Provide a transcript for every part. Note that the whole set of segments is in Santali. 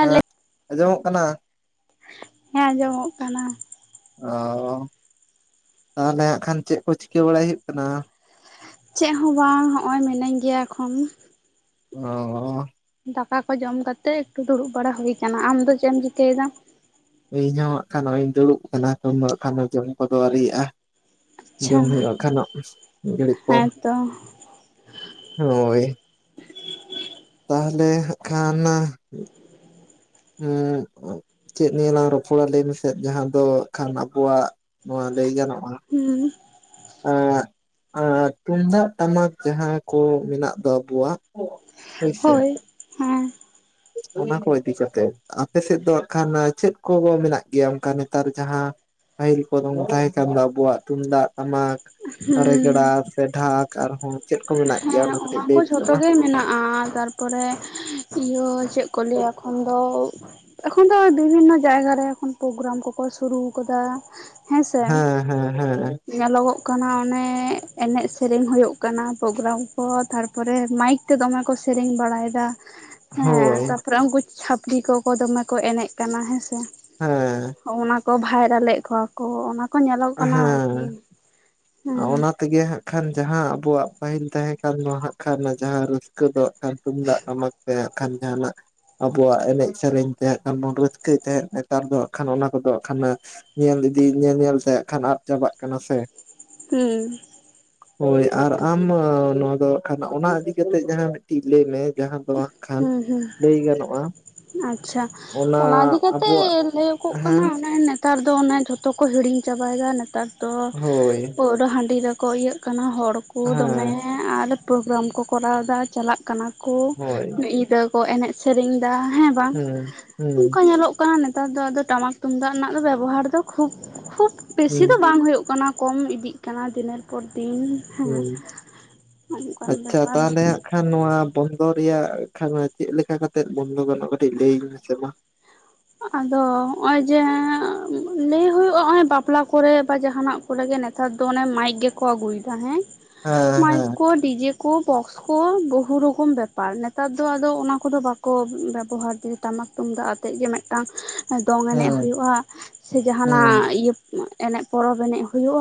ᱦᱮᱸ ᱟᱸᱡᱚᱢᱚᱜ ᱠᱟᱱᱟ ᱦᱮᱸ ᱟᱸᱡᱚᱢᱚᱜ ᱠᱟᱱᱟ ᱚ ᱛᱟᱦᱚᱞᱮ ᱦᱟᱸᱜ ᱠᱷᱟᱱ ᱪᱮᱫ ᱠᱚ ᱪᱤᱠᱟᱹ ᱵᱟᱲᱟᱭ ᱦᱩᱭᱩᱜ ᱠᱟᱱᱟ? ᱪᱮᱜ ᱦᱚᱸ ᱵᱟᱝ ᱦᱚᱸᱜ-ᱚᱭ ᱢᱤᱱᱟᱹᱧ ᱜᱮᱭᱟ ᱮᱠᱷᱚᱱ ᱚ ᱫᱟᱠᱟ ᱠᱚ ᱡᱚᱢ ᱠᱟᱛᱮ ᱮᱠᱴᱩ ᱫᱩᱲᱩᱵ ᱵᱟᱲᱟ ᱦᱩᱭ ᱠᱟᱱᱟ ᱟᱢ ᱫᱚ ᱪᱮᱫ ᱮᱢ ᱪᱤᱠᱟᱹᱭ ᱫᱟ? ᱤᱧᱦᱚᱸ ᱦᱟᱜ ᱠᱷᱟᱱ ᱱᱚᱜᱚᱭ ᱤᱧ ᱫᱩᱲᱩᱵ ᱠᱟᱱᱟ [inaudible] ᱠᱷᱟᱱ ᱡᱚᱢ ᱠᱚᱫᱚ ᱟᱹᱣᱨᱤᱭᱟᱜᱼᱟ ᱟᱪᱪᱷᱟ ᱡᱚᱢ ᱦᱩᱭᱩᱜ-ᱟ ᱦᱟᱸᱜ ᱠᱷᱟᱱᱚᱜ ᱢᱤᱫ ᱜᱷᱟᱲᱤᱜ ᱯᱚᱨ ᱦᱮᱸᱛᱚ ᱦᱳᱭ ᱛᱟᱦᱞᱮ ᱦᱟᱸᱜ ᱠᱷᱟᱱ ᱦᱩᱸ ᱪᱮᱫ ᱱᱤᱭᱟᱹ ᱞᱟᱝ ᱨᱚᱯᱚᱲᱟ ᱞᱟᱹᱭ ᱢᱮᱥᱮ ᱡᱟᱦᱟᱸ ᱫᱚ ᱠᱷᱟᱱ ᱟᱵᱚᱣᱟᱜ ᱱᱚᱣᱟ ᱞᱟᱹᱭ ᱜᱟᱱᱚᱜ-ᱟ ᱦᱩᱸ ᱟᱸᱜ ᱟᱸ ᱛᱩᱢᱫᱟᱜ ᱴᱟᱢᱟᱠ ᱡᱟᱦᱟᱸ ᱠᱚ ᱢᱮᱱᱟᱜ ᱫᱚ ᱟᱵᱚᱣᱟᱜ ᱦᱳᱭ ᱥᱮ ᱦᱮᱸ ᱚᱱᱟ ᱠᱚ ᱤᱫᱤ ᱠᱟᱛᱮᱜ ᱟᱯᱮ ᱥᱮᱫ ᱫᱚ ᱦᱟᱜ ᱠᱷᱟᱱ ᱪᱮᱫ ᱠᱚ ᱢᱮᱱᱟᱜ ᱜᱮᱭᱟ ᱚᱱᱠᱟ ᱱᱮᱛᱟᱨ ᱡᱟᱦᱟᱸ ᱯᱟᱹᱦᱤᱞ ᱠᱚ ᱱᱚᱝᱠᱟᱭᱮ ᱠᱟᱱ ᱫᱚ ᱟᱵᱚᱣᱟᱜ ᱛᱩᱢᱫᱟᱜ ᱴᱟᱢᱟᱠ ᱦᱩᱸ ᱨᱮᱜᱽᱲᱟ ᱥᱮ ᱰᱷᱟᱠ ᱟᱨᱦᱚᱸ ᱪᱮᱫ ᱠᱚ ᱢᱮᱱᱟᱜ ᱜᱮᱭᱟ ᱦᱮᱸ ᱚᱱᱟ ᱚᱱᱟ ᱠᱟᱹᱴᱤᱡ ᱠᱚ ᱞᱟᱹᱭ ᱢᱮᱥᱮ ᱡᱷᱚᱛᱚ ᱢᱟ ᱜᱮ ᱢᱮᱱᱟᱜ-ᱟ ᱛᱟᱨᱯᱚᱨᱮ ᱤᱭᱟᱹ ᱪᱮᱫ ᱠᱚ ᱞᱟᱹᱭ-ᱟ ᱮᱠᱷᱚᱱ ᱫᱚ ᱮᱠᱷᱚᱱ ᱫᱚ ᱵᱤᱵᱷᱤᱱᱱᱚ ᱡᱟᱭᱜᱟ ᱨᱮ ᱯᱳᱜᱨᱟᱢ ᱠᱚᱠᱚ ᱥᱩᱨᱩ ᱟᱠᱟᱫᱟ ᱦᱮᱸᱥᱮ ᱦᱩᱸ ᱦᱩᱸ ᱦᱩᱸ ᱧᱮᱞᱚᱜᱚᱜ ᱠᱟᱱᱟ ᱚᱱᱮ ᱮᱱᱮᱡ ᱥᱮᱨᱮᱧ ᱦᱩᱭᱩᱜ ᱠᱟᱱᱟ ᱯᱳᱜᱨᱟᱢ ᱯᱚᱨ ᱛᱟᱨᱯᱚᱨᱮ ᱢᱟᱭᱤᱠ ᱛᱮ ᱫᱚᱢᱮ ᱠᱚ ᱥᱮᱨᱮᱧ ᱵᱟᱲᱟᱭ ᱫᱟ ᱦᱮᱸ ᱦᱳᱭ ᱛᱟᱯᱚᱨᱮ ᱩᱱᱠᱩ ᱪᱷᱟᱹᱯᱲᱤ ᱠᱚᱠᱚ ᱫᱚᱢᱮ ᱠᱚ ᱮᱱᱮᱡ ᱠᱟᱱᱟ ᱦᱮᱸ ᱥᱮ ᱦᱩᱸ ᱚᱱᱟ ᱠᱚ ᱵᱷᱟᱭᱨᱟᱞ ᱮᱫ ᱠᱚᱣᱟ ᱠᱚ ᱚᱱᱟ ᱠᱚ ᱧᱮᱞᱚᱜ ᱠᱟᱱᱟ ᱦᱮᱸ ᱟᱨᱠᱤ ᱦᱮᱸ ᱚᱱᱟ ᱛᱮ ᱜᱮ ᱦᱟᱸᱜ ᱠᱷᱟᱱ ᱡᱟᱦᱟᱸ ᱟᱵᱚᱣᱟᱜ ᱯᱟᱹᱦᱤᱞ ᱛᱟᱦᱮᱸ ᱠᱟᱱ ᱫᱚ ᱦᱟᱸᱜ ᱠᱷᱟᱱ ᱡᱟᱦᱟᱸ ᱨᱟᱹᱥᱠᱟᱹ ᱫᱚ ᱟᱨ ᱛᱩᱢᱫᱟᱜ ᱴᱟᱢᱟᱠ ᱛᱮ ᱦᱟᱸᱜ ᱠᱷᱟᱱ ᱡᱟᱦᱟᱸ ᱱᱟᱜ ᱟᱵᱚᱣᱟᱜ ᱮᱱᱮᱡ ᱥᱮᱨᱮᱧ ᱛᱮᱦᱟᱸᱜ ᱠᱷᱟᱱ ᱵᱚᱱ ᱨᱟᱹᱥᱠᱟᱹᱭ ᱛᱟᱦᱮᱸᱫ ᱱᱮᱛᱟᱨ ᱫᱚ ᱦᱟᱸᱜ ᱠᱷᱟᱱ ᱚᱱᱟ ᱠᱚᱫᱚ ᱦᱟᱸᱜ ᱠᱷᱟᱱ ᱧᱮᱞ ᱤᱫᱤ ᱧᱮᱞ ᱧᱮᱞ ᱛᱮ ᱦᱟᱸᱜ ᱠᱷᱟᱱ ᱟᱫ ᱪᱟᱵᱟᱜ ᱠᱟᱱᱟ ᱥᱮ ᱦᱩᱸ ᱦᱳᱭ ᱟᱨ ᱟᱢ ᱱᱚᱣᱟ ᱫᱚ ᱠᱷᱟᱱ ᱚᱱᱟ ᱤᱫᱤ ᱠᱟᱛᱮᱪ ᱡᱟᱦᱟᱸ ᱢᱤᱫᱴᱤᱡ ᱞᱟᱹᱭ ᱢᱮ ᱡᱟᱦᱟᱸ ᱫᱚ ᱠᱷᱟᱱ ᱦᱩᱸ ᱦᱩᱸ ᱞᱟᱹᱭ ᱜᱟᱱᱚᱜ-ᱟ ᱟᱪᱪᱷᱟ ᱚᱱᱟ ᱤᱫᱤ ᱠᱟᱛᱮ ᱞᱟᱹᱭᱠᱚᱜ ᱦᱮᱸ ᱠᱟᱱᱟ ᱮ ᱱᱮᱛᱟᱨ ᱫᱚ ᱚᱱᱮ ᱡᱷᱚᱛᱚ ᱠᱚ ᱦᱤᱲᱤᱧ ᱪᱟᱵᱟᱭ ᱫᱟ ᱱᱮᱛᱟᱨ ᱫᱚ ᱦᱳᱭ ᱯᱟᱹᱨ ᱦᱟᱺᱰᱤ ᱨᱮᱠᱚ ᱤᱭᱟᱹᱜ ᱠᱟᱱᱟ ᱦᱚᱲ ᱠᱚ ᱫᱚᱢᱮ ᱦᱮᱸ ᱟᱨ ᱯᱨᱳᱜᱨᱟᱢ ᱠᱚ ᱠᱚᱨᱟᱣ ᱫᱟ ᱪᱟᱞᱟᱜ ᱠᱟᱱᱟ ᱠᱚ ᱦᱳᱭ ᱢᱤᱫ ᱧᱤᱫᱟᱹ ᱠᱚ ᱮᱱᱮᱡ ᱥᱮᱨᱮᱧ ᱫᱟ ᱦᱮᱸ ᱵᱟᱝ ᱦᱩᱸ ᱦᱩᱸ ᱚᱱᱠᱟ ᱧᱮᱞᱚᱜ ᱠᱟᱱᱟ ᱱᱮᱛᱟᱨ ᱫᱚ ᱟᱫᱚ ᱴᱟᱢᱟᱠ ᱛᱩᱢᱫᱟᱜ ᱨᱮᱱᱟᱜ ᱫᱚ ᱵᱮᱵᱚᱦᱟᱨ ᱫᱚ ᱠᱷᱩᱵ ᱠᱷᱩᱵ ᱵᱮᱥᱤ ᱦᱩᱸ ᱫᱚ ᱵᱟᱝ ᱦᱩᱭᱩᱜ ᱠᱟᱱᱟ ᱠᱚᱢ ᱤᱫᱤᱜ ᱠᱟᱱᱟ ᱫᱤᱱᱮᱨ ᱯᱚᱨ ᱫᱤᱱ ᱦᱮᱸ ᱦᱩᱸ ᱚᱱᱠᱟᱱ ᱟᱪᱪᱷᱟ ᱵᱮᱯᱟᱨ ᱛᱟᱦᱚᱞᱮ ᱦᱟᱸᱜ ᱠᱷᱟᱱ ᱱᱚᱣᱟ ᱵᱚᱱᱫᱚ ᱨᱮᱭᱟᱜ ᱠᱷᱟᱱ ᱪᱮᱫ ᱞᱮᱠᱟ ᱠᱟᱛᱮ ᱵᱚᱱᱫᱚ ᱜᱟᱱᱚᱜ-ᱟ ᱠᱟᱹᱴᱤᱡ ᱞᱟᱹᱭᱟᱹᱧ ᱢᱮᱥᱮ ᱢᱟ ᱟᱫᱚ ᱦᱚᱸᱜ-ᱚᱭ ᱡᱮ ᱞᱟᱹᱭ ᱦᱩᱭᱩᱜ-ᱟ ᱚᱸᱭ ᱵᱟᱯᱞᱟ ᱠᱚᱨᱮ ᱵᱟ ᱡᱟᱦᱱᱟᱜ ᱠᱚ ᱨᱮ ᱜᱮ ᱱᱮᱛᱟᱨ ᱫᱚ ᱚᱱᱮ ᱢᱟᱭᱤᱠ ᱜᱮᱠᱚ ᱟᱹᱜᱩᱭ ᱫᱟ ᱦᱮᱸ ᱢᱟᱭᱤᱠ ᱦᱮᱸ ᱠᱚ ᱰᱤᱡᱮ ᱠᱚ ᱵᱚᱠᱥ ᱠᱚ ᱵᱚᱦᱩ ᱨᱚᱠᱚᱢ ᱵᱮᱯᱟᱨ ᱱᱮᱛᱟᱨ ᱫᱚ ᱟᱫᱚ ᱚᱱᱟ ᱠᱚᱫᱚ ᱵᱟᱠᱚ ᱵᱮᱵᱚᱦᱟᱨ ᱫᱟ ᱴᱟᱢᱟᱠ ᱛᱩᱢᱫᱟᱜ ᱟᱛᱮᱜ ᱜᱮ ᱢᱤᱫᱴᱟᱝ ᱫᱚᱝ ᱮᱱᱮᱡ ᱦᱮᱸ ᱦᱮᱸ ᱦᱩᱭᱩᱜ-ᱟ ᱥᱮ ᱦᱮᱸ ᱡᱟᱦᱟᱱᱟᱜ ᱤᱭᱟᱹ ᱮᱱᱮᱡ ᱯᱚᱨᱚᱵ ᱮᱱᱮᱡ ᱦᱩᱭᱩᱜ-ᱟ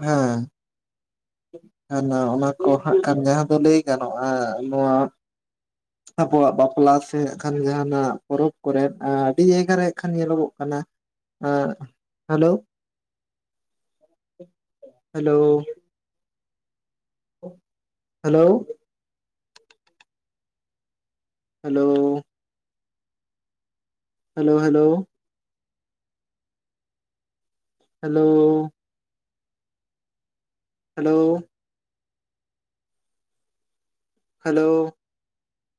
ᱦᱮᱸ ᱦᱮ ᱚᱱᱟ ᱠᱚ ᱦᱟᱜ ᱠᱷᱟᱱ ᱡᱟᱦᱟᱸ ᱫᱚ ᱞᱟᱹᱭ ᱜᱟᱱᱚᱜ-ᱟ ᱱᱚᱣᱟ [inaudible] ᱟᱵᱚᱣᱟᱜ ᱵᱟᱯᱞᱟ ᱥᱮ ᱦᱟᱸᱜ ᱠᱷᱟᱱ ᱡᱟᱦᱟᱸᱱᱟᱜ ᱯᱚᱨᱚᱵ ᱠᱚᱨᱮ ᱟᱹᱰᱤ ᱡᱟᱭᱜᱟ ᱨᱮ ᱦᱟᱸᱜ ᱠᱷᱟᱱ ᱧᱮᱞᱚᱜᱚᱜ ᱠᱟᱱᱟ ᱦᱮᱜ hello hello hello hello hello hello hello hello hello